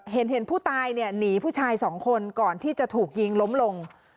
เห็นผู้ตายเนี่ยหนีผู้ชายสองคนก่อนที่จะถูกยิงล้มลง